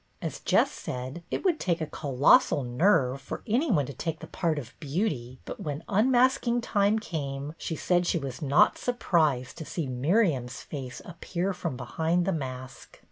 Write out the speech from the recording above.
As Jess said, it would take "a colossal nerve " for any one to take the part of Beauty, but when un masking time came, she said she was not surprised to see Miriam's face appear from behind the mask.